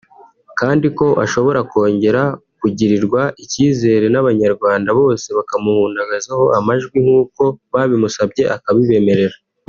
kandi ko ashobora kongera kugirirwa ikizere n’abanyarwanda bose bakamuhundagazaho amajwi nkuko babimusabye akabibemerera